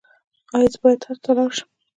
ایا زه باید حج ته لاړ شم؟